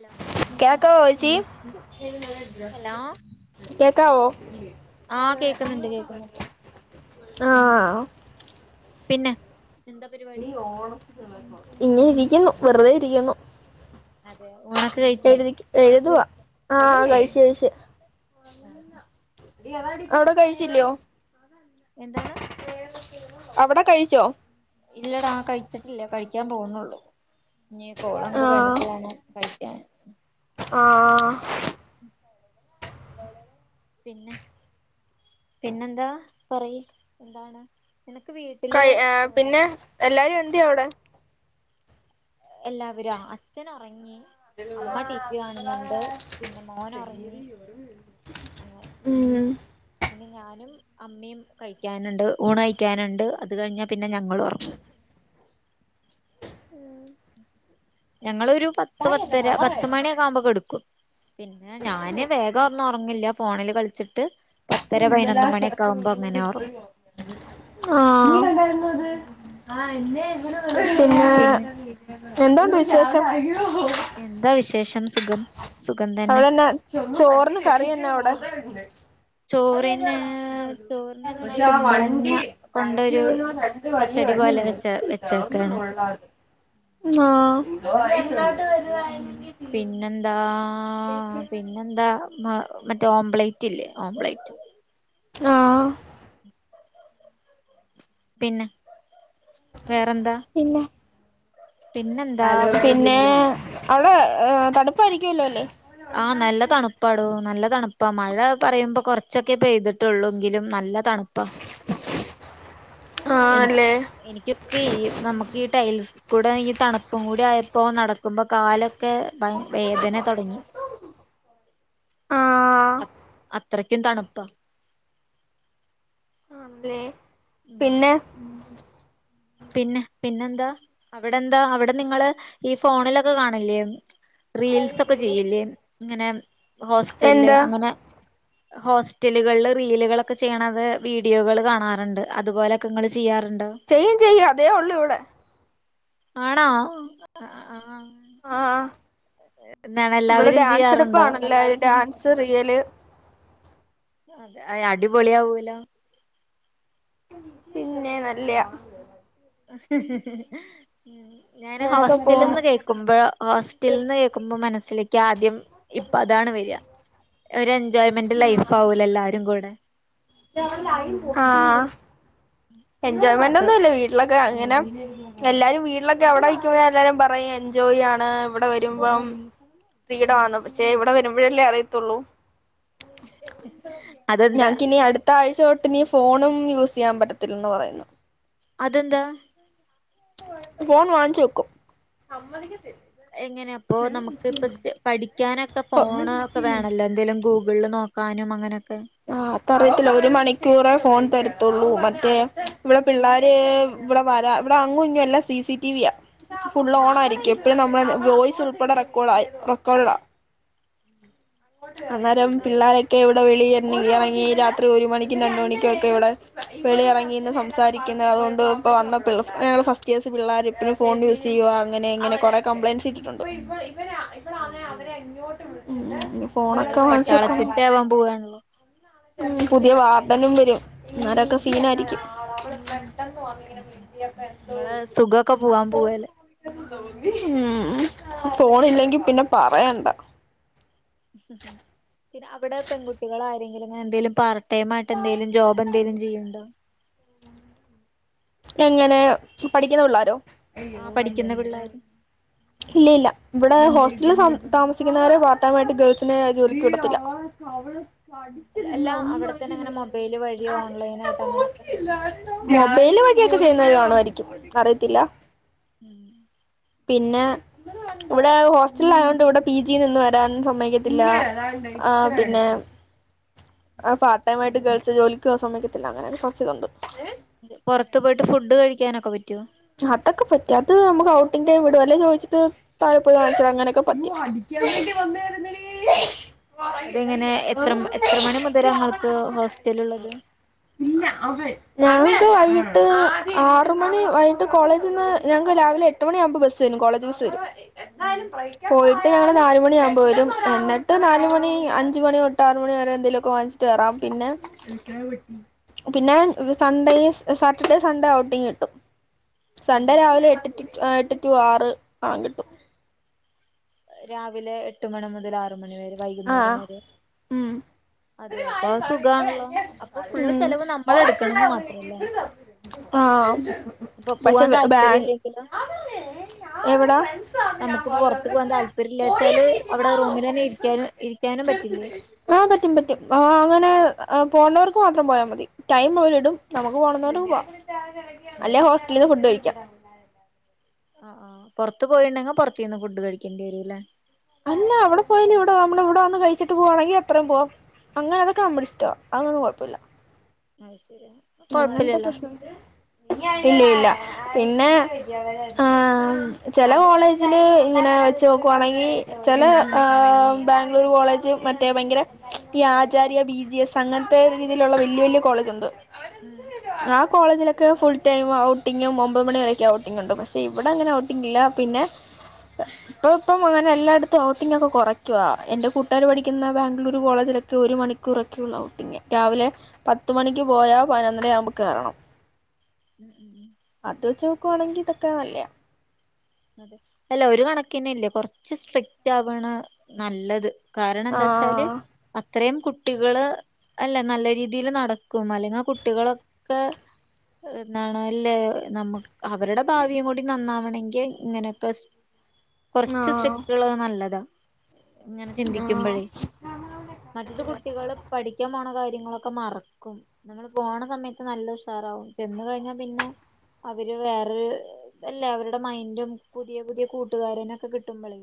Hello കേക്കാവോച്ചി കേക്കാവോ? ആഹ കേക്കുന്നുണ്ട് കേക്കുന്നുണ്ട് ആഹ പിന്നെ? എന്താ പരിപാടി ഇങ്ങെരിക്കുന്നു വെറുതെഇരിക്കുന്നു അതെ ഊണൊക്കെ കഴിച്ചോ എഴുതിക് എഴുതുവാ ആഹ കഴിച്ച്കഴിച്ച് ആ അവിടെ പിന്നെ കഴിച്ചില്ലയോ? എന്താണ്? അവിടെ കഴിച്ചോ? ഇല്ലടാ കഴിച്ചിട്ടില്ല കഴിക്കാൻ പോവുന്നൊള്ളൂ ഇനി കോള് അങ്ങോട്ട് ആഹ് കഴിഞ്ഞിട്ട് ഞാന് ആ ആ പിന്നെ പിന്നെന്താ പറയ് എന്താണ്? നിനക്ക് വീട്ടില് കൈ ഏഹ് പിന്നെ എല്ലാരും എന്തിയെ അവിടെ എല്ലാവരോ, അച്ഛൻ ഉറങ്ങി ഉം പിന്നെ മോൻ ഒറങ്ങി ഉം ഇനി ഞാൻ ഞാനും അമ്മയും കഴിക്കാനുണ്ട് ഊണ് കഴിക്കാനുണ്ട് അത് കഴിഞ്ഞാ പിന്നെ ഞങ്ങളും ഒറങ്ങും. ഞങ്ങളൊരു പത്ത് പത്തര പത്ത് മണിയൊക്കെ ആവുമ്പോ കിടക്കും പിന്നെ ഞാന് വേഗം ഒന്നും ഉറങ്ങില്ല ഫോണില് കളിച്ചിട്ട് പത്തര പയിനൊന്ന് മണിയൊക്കെ ആകുമ്പോ അങ്ങനെ ഉറങ്ങും ആഹ് പിന്നെ എന്തോണ്ട് വിശേഷം? എന്താ വിശേഷം സുഖം. സുഖം തന്നെ അവിടെന്നാ ചോറിന്ന് കറിയെന്ന അവിടെ? ചോറിന് [unintelligible] ചോറിനിന്ന് പക്ഷെ ആ കുമ്പളങ്ങ വണ്ടി ബാക്കി കൊണ്ടൊരു വന്ന ആ രണ്ട് വലിയ പച്ചടി പോലെ വെച്ച വെച്ചേക്കാണ് [unintelligible] ആഹ് അതാണ് കറി പിന്നെന്താ പിന്നെന്താ മ മറ്റേ ഓംപ്ലേറ്റ് ഇല്ലേ ഓംപ്ലേറ്റ് ആഹ് പിന്നെ വേറെന്താ? പിന്നെ പിന്നെന്താ പറയുന്നു പിന്നെ അവടെ തണുപ്പായിരിക്കുവല്ലോ അല്ലേ ആഹ് നല്ല തണുപ്പാടോ നല്ല തണുപ്പ മഴ പറയുമ്പോ കുറച്ചൊക്കെ പെയ്തിട്ടുള്ളൂങ്കിലും നല്ല തണുപ്പ. എനി ആണല്ലേ എനിക്കൊക്കെ നമുക്കി ടൈൽസ് കൂടെ ഈ തണുപ്പും കൂടി ആയപ്പോ നടക്കുമ്പോ കാലൊക്കെ വേദന തുടങ്ങി. ആഹ് അ അത്രക്കും തണുപ്പ ആണല്ലേ ഉം പിന്നെ പിന്നെ, പിന്നെന്താ അവിടെന്താ, അവിടെ നിങ്ങള് ഈ ഫോണിലൊക്കെ കാണില്ലേ റീൽസ് ഒക്കെ ചെയ്യിലെ ഇങ്ങനെ ഹോസ്റ്റല്ല് എന്താ അങ്ങനെ ഹോസ്റ്റലുകളില് റീലുകളൊക്കെ ചെയ്യണത് വീഡിയോകൾ കാണാറുണ്ട് അതുപോലോക്കെ നിങ്ങൾ ചെയ്യാർ ചെയ്യും ചെയ്യും അതേ ഉള്ളൂ ഇവിടെ. ആണോ ആഹ്. ആഹ് എന്താണ് ഇവിടെ എല്ലാവരും ഡാൻസ് ചെയ്യാറുണ്ടോ എടുപ്പാണെല്ലരും ഡാൻസ് റീല് അതെ അടിപൊളിയാവൂലോ പിന്നെ നല്ലയാ. [unintelligible] ഞാന് അങ്ങനൊക്കെ പോണു ഹോസ്റ്റലിന്ന് കേൾക്കുമ്പോ ഹോസ്റ്റലിന്ന് കേക്കുമ്പോ മനസ്സിലേക്ക് ആദ്യം ഇപ്പ അതാണ് വരിക ഒരു എൻജോയ്മെന്റ് ലൈഫ് ആവൂലെ എല്ലാരും കൂടെ ആഹ് എൻജോയ്മെന്റ് അത് ഒന്നുല്ല വീട്ടിലൊ ക്കെ അങ്ങനെ എല്ലാരും വീട്ടിലൊക്കെ അവിടെ നിക്കുമ്പോ എല്ലാരും പറയും എൻജോയ് യാണ് ഇവിടെ വരുമ്പം. ഫ്രീഡവാണ്, പക്ഷെ ഇവിടെ വരുമ്പോഴല്ലേ അറിയത്തുള്ളൂ അതെന്താ ഞങ്ങക്കിനി അടുത്ത ആഴ്ച തൊട്ട് ഇനി ഫോണും യൂസ് ചെയ്യാൻ പറ്റ ത്തിൽന്ന് പറയുന്നു അതെന്താ? ഫോൺ വാങ്ങിച്ച് വെക്കും. എങ്ങനെയ അപ്പൊ നമുക്ക് ഇപ്പ പഠിക്കാനൊക്കെ ഫോൺ ഒക്കെ വേണല്ലോ എന്തേങ്കിലും ഗൂഗിളില് നോ ക്കാനും അങ്ങനൊക്കെ ആഹ് അത് അറിയത്തില്ല ഒരു മണിക്കൂറെ ഫോൺ തരത്തുള്ളൂ മറ്റേ ഇവിടെ പിള്ളോര് ഇവിടെ വരാ ഇവിടെ അങ്ങു ഇങ്ങും എല്ല സി സി ടി വി യ. ഫുള് ഓൺ ആായിരിക്കും എപ്പഴും നമ്മള വോയിസ് ഉൾപ്പെടെ റെക്കോർഡ റെക്കോർഡാ. അന്നേരം പിള്ളാരൊക്കെ ഇവിടെ വെളിയ ഇറങ്ങി രാത്രി ഒരു മണിക്കും രണ്ട മണിക്കുംൊക്കെ ഇവിടെ വെളിയിറങ്ങിന്ന് സംസാരിക്കുന്നത് അതുകൊണ്ടും ഇപ്പോൾ വന്ന പ ഞങ്ങൾ ഫസ്റ്റ് ഇയേയ്‌സ് പിള്ളാര് പ്പയും ഫോൺ യൂസ് ചെയ്യുക അങ്ങനെ ഇങ്ങനെ കുറെ കംപ്ലയിൻറ്സ് കിഇട്ടിട്ടുണ്ട്. ഇവ ഇവിടെങ്ങനെ അയ്യോ അവരെങ്ങോട്ട് വിള് നിങ്ങള് പട്ടാള ചിട്ടയാവാൻ പോവാണല്ലോ? പുതിയ വാർഡനും വരും ഇന്നാരൊക്കെ സീനആയിരിക്കും. ഉ നിങ്ങളെ സുഖൊക്കെ പോവാൻ പോവല്ലേ. ഉ ഫോൺ ഇല്ലെങ്കി പിന്നെ പറയണ്ടാ. പിന്നെ അവിടെ പെൺകുട്ടികൾ ആരെങ്കിലും അങ്ങനെ എന്തെലും പാർ ട്ടേമാട്ട് എന്തേങ്കലും ജോബ് എന്തേലും ചെയ്യണ്ടോ? എങ്ങനെ പഠിക്കുന്ന പിള്ളോരോ? ആഹ പഠിക്കുന്ന പിള്ളാര്. ഇല്ല ഇല്ല ഇവിടെ ഹോസ്റ്റലിൽ താമസിക്കുന്നവരെ [unintelligible] ഗേൾസിനെ. ജോലിക്ക് കൊടുത്തില്ല ആവള്. അല്ല അവിടെത്തന്നെ അങ്ങനെ മൊബൈല് വഴിയോ ഓൺലൈൻ ആയിട്ട് അങ്ങനെയൊക്കെ [inaudible] വേല് വഴിയൊക്കെ ചെയ്യുന്നവര് കാണുവായിരിക്കും അറിയത്തില്ല. ഉം. പിന്നെ. ഇവിടെ ഹോസ്റ്റല ആയോണ്ട് ഇവിടെ പി ജി നിന്ന് വരാനും സമ്മക്കത്തില്ല ആ പിന്നെ. ആ പാർട്ട ടൈ ആയി് ഗേൾസ് ജോലിക് പോവാ സമയക്കത്തില്ല അങ്ങനെ കുറച്ച് കണ്ടു. പുറത്തു പോയിട്ട് ഫുഡ് കഴിക്കാനൊക്കെ പറ്റും അതൊക്കെറപറ്റും നമക്ക് ഔട്ടിംഗ ടൈം ഇടെ അല്ലേ ചോദിച്ചിട്ട് താഴെ പോയിവാങ്ങി അങ്ങനെൊക്കെ പറ്റും. [inaudible] ഉം. അതെങ്ങനെ എത്ര എത്ര മണി മുതലാ ങ്ങൾക്ക് ഹോസ്റ്റല് ഉള്ളത്. ഞങ്ങക്ക് വൈകട്ട് ആറ മണി വഴി കോളേജ്ന്ന് ഞങ്ങക് രാവിലെ എട്ടു മണി യാകുമ്പോ ബെസ് വരും കോളേജ് ബെസ് ഉം വരുംപോയിട്ട് നാല് മണിയാകുമ്പോ വരും എന്നിട്ട് നാലല് മണി അഞ്ച് മണി തൊട്ട് ആറ് മണി വരെ എന്തെങ്കിലുമൊക്കെ വാങ്ങിട്ട് കയറം പിന്നെ പിന്നെ സൺഡേ സാറ്റർഡേ സൺഡേ ഔട്ടിങ്ങ് കിട്ടും. ഉം സൺഡേ രാവിലെ എട്ട് എട്ട് ടു ആറ് ആ കിട്ടും. രാവിലെ എട്ട് മണി മുതൽ ആറ് മണി വരെ വൈകുന്നേരം ആഹ് വരെ. ഉം അതെ അപ്പൊ ആ സുഖമാണല്ലോ. അപ്പൊ ഫുള്ള് ഉം ചെലവ് നമ്മൾ എടുക്കണംന്ന് മാത്രല്ലേ? ആഹ ഇപ്പൊ പക്ഷെ പോവാൻ താല്പര്യം ബാങ് ഇല്ലെങ്കിലോ എവിടാ. ച്ചാല് അവിടെ റൂമിൽ തന്നെ ഇരികാന് ആഹ് പറ്റും പറ്റും ആ അങ്ങനെ. ആ പോണവർക്ക് മാത്രം പോയാൽ മതി ടൈം ഓരിഇടും നമുക്ക് പോണന്നവർക്ക് പോവാം. ആഹ് അല്ല ഹോസ്റ്റലിൽ നിന്ന് ഫുഡ് കഴിക്കാം. ആ ആ് പൊറത്ത് പോയിണ്ടെങ്കി പുറതീന്ന് ഫുഡ് കഴിക്കേണ്ടി വരൂല്ലേ. അല്ല അവിടെ പോയല് ഇവിട നമ്മള ഇവിടെ വന്ന് കഴിച്ചിട്ട് പോവാണെങ്കിൽ അത്രയും പോവാം. അങ്ങനെ അതൊക്കെ നമ്മുടെ ഇഷ്ട അതൊന്നും കുഴപ്പല്ല. അശെ അങ്ങനെത്തെ പ്രശ്ന ഇല്ല ഇല്ല. പിന്നെ ആ ചെല കോളേജില് ഇങ്ങനെ വെച്ച് നോക്കുവാണെങ്കി ചില ബാംഗ്ലൂരു കോളേജ് മറ്റേ ഭയങ്കര ഈ ആചാര്യ ബി ജി എസ് അങ്ങനത്തെ. രീതിയിലുള്ള വല്യ വല്യ കോളേജ് ഉണ്ട് ഉം ആ കോളേജിലൊക് ഒ ഫുൾടൈം ഔട്ടിങ്ങും ഒമ്പത് മണിവ വരൊക്കെ ഔട്ടിങ്ങ ഉണ്ട് പക്ഷേ ഇവിടെ അങ്ങനെ ഔട്ടിങ്ങില്ല പിന്നെ. ഇപ്പൊ ഇപ്പം അങ്ങനെ എല്ലായിടത്തും ഔട്ടിംഗ ഒക്കെ കുറയ്ക്കുവ എന്റെ കൂട്ടാാര് പഠിക്കുന്ന ബാംഗ്ലൂരു കോളേജ് ഒരു മണിക്കൂറൊക്കെ ഔട്ടി രാവിലെ പത്ത് മണിക്ക് പോയാ പതിനൊന്നര ആവുമ്പോ കേറണം ഉം ഉം ഉ അതൊച്ചോക്കെ വാണെങ്കിൽ ഇതൊക്കാ വല്യ അതെ അല്ല ഒരു കണക്കിന് ഇല്ലേ കൊറച്ച് സ്ട്രിക്റ്റ് ആവാണ് നല്ലത് കാരണം എന്താ വച്ചാല് ആഹ് അത്രയും കു കുട്ടികള് അല്ല നല്ല രീതിൽ നടക്കും അല്ലെങ്കിൽ കുട്ടികളൊക്കെ എന്നാണ് അല്ലേ നമ്മുക്ക് അവരുടെ ഭാവിയും കൂടി നന്നാവണെങ്കിൽ ഇങ്ങനെയൊക്കെ കുറച്ച് ആഹ് സ്വിറ്റ് ഉള്ളത് നല്ലതാ ഇങ്ങനെ ആഹ് ചിന്തിക്കുമ്പോഴേ മറ്റ് കുട്ടികള് പഠിക്കാൻ പോണ കാര്യം കാര്യങ്ങളൊക്കെ മറക്കും നിങ്ങൾപോണ സമയത്ത് നല്ല ഉഷാറാവും ചെന്ന് കഴിഞ്ഞാൽ പിന്നെ അവര് വേറെ അല്ലേ അവരുടെ മൈൻഡും പുതിയ പുതിയ കൂട്ടുകാരനൊക്കെ കിട്ടുമ്പോഴേ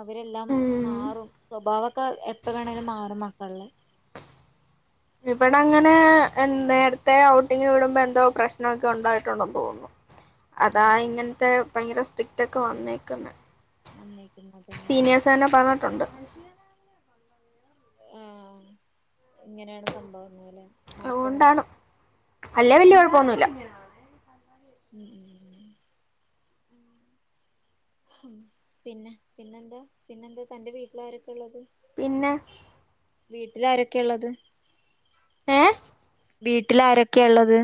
അവരെല്ലാം ഉം മാറും സ്വഭാവമൊക്കെ എപ്പ വേണമേിലും മാറും ഹലോ ഇവിടെ അങ്ങനെ നേരത്തെ ഔട്ടിംഗ് വിടുമ്പോ എന്തോ പ്രശ്നമൊക്കെ ഉണ്ടായിട്ടുണ്ടോന്ന് തോന്നുന്നു അതാ ഉം ഇങ്ങനത്തെ ഭയങ്കര സ്ട്രിക്റ്റ് ഒക്കെ വന്നേക്കന്ന് വന്നേക്കുന്നതന്നെ അത് സീനിയേഴ്സ് തന്നെ പറഞ്ഞിട്ടുണ്ട് ആഹ ഇങ്ങനെയാണ് സംഭവംഎ ന്ന പോലെ അതൊണ്ടാണ് അല്ല വല്യ കുഴപ്പൊന്നുമല്ല ഉം ഉം ഉ പിന്നെ പിന്നെന്താ പിന്നെന്താ തന്റെ വീട്ടിലെ ആരൊക്കെ ഉള്ളത് പിന്നെ വീട്ടിലാരൊക്കെ ഉള്ളത് ഏ വീട്ടിൽ ആരൊക്കെയ ഉള്ളത്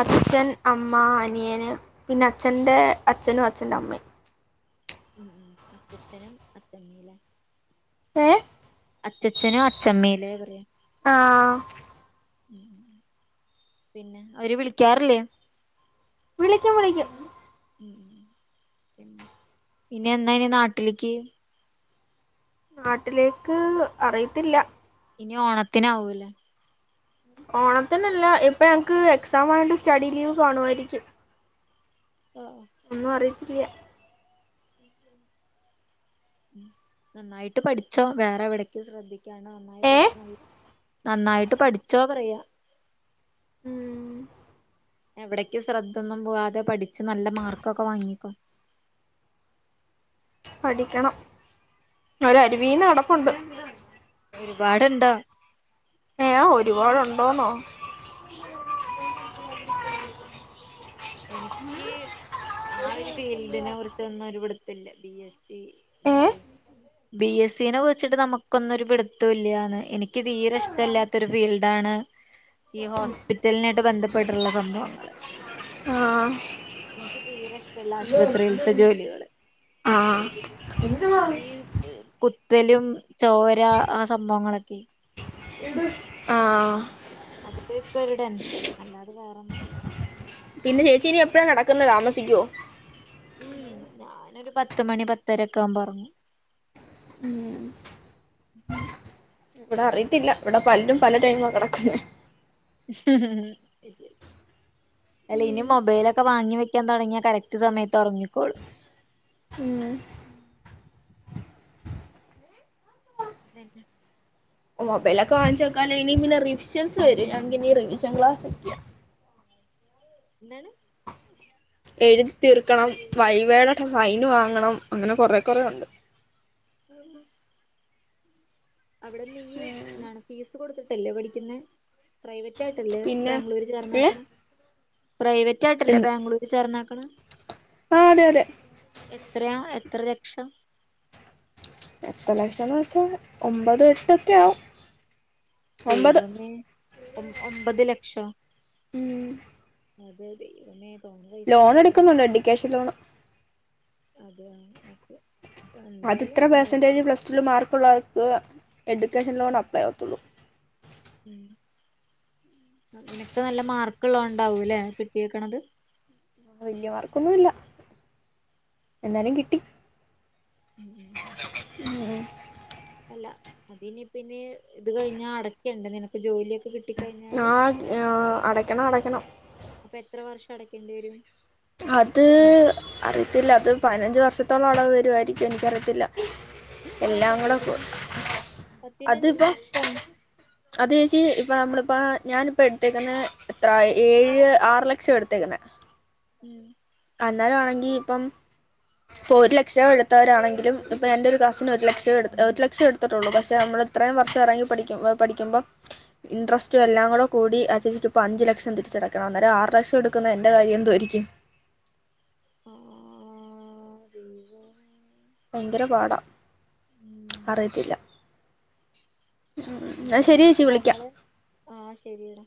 അച്ഛൻ അമ്മ അനിയന് പിന്നെ അച്ഛറെ അച്ഛനും അച്ഛന്റെ അമ്മയും അച്ഛനും അഛമ്മല്ല ഏ അച്ചഛനോ അച്ഛമ്മയിലേ പറയാം ആഹ പിന്നെ അവര് വിളിക്കാറില്ലേ വിളിക്കും വിളിക്കും ഉ പിന്ന പിന്ന എന്താന്ന നാട്ടിലേക്ക് നാട്ടിലേക്ക് അറിയത്തില്ല ഇനി ഓണത്തിന് ആവൂല്ലേ ഓണത്തിനല്ല ഇപ്പൊ ഞങ്ങക്ക് എക്സാം ആയതുകൊണ്ട് സ്റ്റഡി ലീവ് ആയിരിക്കും ആഹ ഒന്നും അറിയത്തില്ല നന്നായിട്ട് പഠിച്ചോ വേറെ എവിടേക്ക ശ്രദ്ധിക്ക ഏ നന്നായിട്ട് പഠിച്ചോ പറയാ ഉം എവിടക്കും ശ്രദ്ധൊന്നും പോവാതെ പഠിച്ചച്ച് നല്ല മാർക്കൊക്കെ വാങ്ങിക്കോ പഠിക്കണം അവ അരുവി നടപ്പുണ്ട് ഒരുപാട്ണ്ടോ ഏ ഒരുപാടുണ്ടോന്നോ എനിക്ക് ആ ഒരു ഫീൽഡിനെ ഓർത്തു എന്ന് ഓർത്തു ഒരു പിടുത്തവുമില്ല ആഹ് നല്ലതെ ബി എസ് സിനെ വിളിച്ചിട്ട് നമുക്കൊന്നും ഒരു പിടുത്തവും ഇല്ലന്ന് എനിക്ക് തീരെ ഇഷ്ടമല്ലാത്തൊ ഒരു ഫീൽഡാണ് ങ്ങ് ഈ ഹോസ്പിറ്റലിനായിട്ട് ബന്ധപ്പെട്ടുള്ള സംഭവങ്ങള് ആഹ് എനിക്ക് തീരെഷ്ടല്ല ആശുപത്രിൽത്തെ ജോലികള് ആഹ് ഈ കുത്തലും ചോരാ ആ സംഭവങ്ങളൊക്കെ ആഹ് അത് ഇപ്പൊ ഇപ്പ ഒരു ടെൻഷൻ അല്ലാതെ വേറൊന്നും അല്ല പിന്നെ ചേച്ചി ഇനി എപ്പഴാ നടക്കുന്നത് താമസിക്കുവോ ഉം ഞാനൊരു പത്ത് മണി പത്തരൊക്കെ ആകുമ്പ ഇറങ്ങും ഉം ഇവിടെ അറയിത്തില്ല ഇവിടെ പലരും പല ടൈമ കിടക്കുന്നെ അത് ശരി. അല്ല ഇനി മൊബൈലൊക്കെ വാങ്ങി വെക്കാൻ തുടങ്ങിയ കറക്റ്റ് സമയത്ത് ഉറങ്ങിക്കോളൂം. മ് പിന്ന മൊബൈലൊക്കെ വാങ്ങിച്ചോക്കാല ഇനി പിന്നെ റിവിഷൻസ് വരും ഞാങ്ങക്ക് ഇനി റിവിഷൻ ക്ലാസ് ഒക്കെയ എന്താണ് എഴുതി തീർക്കണം വൈവേടൊ അട്ട സൈൻ വാങ്ങണം അങ്ങനെ കൊറെ കൊറെ ഉണ്ട് അന്നോ അവിടെ നീയും എന്താണ് ഫീസ് കൊടുത്തിട്ടല്ലേ പഠിക്കുന്നേ പ്രൈവറ്റ് ആയിട്ടല്ലേ പിന്നെ ബാംഗ്ലൂര് ഏ ചേർന്നെക്കണെ പ്രൈവറ്റ് ആയിട്ടല്ലേ എന്ന് ബാംഗ്ലൂര് ചേർന്നെക്കണെ ആ അതെ അതെ എത്രയാ എ എത്ര ലക്ഷം എത്ര ലക്ഷം എന്ന വെച്ചാ ഒമ്പതും എട്ടൊക്കെയാവും ദൈവമേ ഒമ്പ് ഒമ്പത് ലക്ഷോ ഉം അതെ ദൈവമേ തോനെ പൈസ ഉണ്ട് ലോൺ കയ്യില് എടുക്കുന്നുണ്ട് എഡ്യൂക്കേഷൻ ലോണ് അതെയോ ഓക്കെ അപ്പൊ അത് എന്തായാലും എത്ര നന്നായിട്ട് പെർസെന്റേജ് പഠിച്ചോ പ്ലസ് ടു മാർക്കുള്ളവർക്ക് എഡ്യൂക്കേഷൻ ലോൺ അപ്ലൈ ആവത്തുള്ളു ഉം നിനക്ക് നല്ല മാർക്ക്ള്ള കോണ്ടാവൂ ല്ലെ കിട്ടിയെക്കണത് വല്യാ മാർക്കൊന്നും ഇല്ല എന്നാലും കിട്ടി ഉം ഉം ഉം ല്ല അതിനി പിന്നെ ഇത് കഴിഞ്ഞ അടക്കേണ്ടേ നിനക്ക് ജോലിയൊ ആ ആ അടയ്ക്കണം അടയ്ക്കണം അപ്പൊ എത്ര വർഷം അടക്കേണ്ടി വരും അത് അറിയത്തില്ല അത് പതിനഞ്ച് വർഷത്തോളം അടവ് വരുവായിരിക്കും എനിക്കറിയത്തില്ല എല്ലാം കൂടെ പതിന അതിപ്പോ അത് ചേച്ചി നമ്മള്ഇപ പ്പ ഞാനിപ്പോ എടുത്തേക്കുന്ന എത്ര ഏഴ് ആറ് ലക്ഷം എടുത്തേക്കുന്ന ഉം അല്ലാതെ ആണെങ്കി ഇപ്പം ഇപ്പൊ ഒരു ലക്ഷം എടുത്തവരാണെങ്കിലും ഇപ്പൊ എന്റെ ഒരു കസിന് ഒരു ലക്ഷം എ ഒരു ലക്ഷം എടുത്തിട്ടുള്ളൂ പക്ഷെ നമ്മള് ഇത്രയും വർഷം ഇറങ്ങി പഠിക്കു പഠിക്കുമ്പോ ഇൻട്രസ്റ്റും എല്ലാം കൂടെ കൂടി അ ചേച്ചിക്ക് ഇപ്പോ അഞ്ച് ലക്ഷം തിരിച്ചടക്കണം അന്നേരം ആറ് ലക്ഷം എടുക്കുന്ന എന്റെറെ കാര്യം എന്തോആയിരിക്കും ആ അ ദൈവമേ ഭയങ്കര പാടാ ഉം അറിയത്തില്ല എന്നാ ഉം ശരി അപ്പൊ ചേച്ചി വിളിക്കാം നമ്മള് ആഹ് ശരിയടാ